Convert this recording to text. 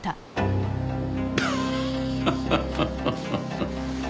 ハハハハハ。